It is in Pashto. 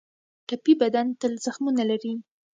ټپي بدن تل زخمونه لري.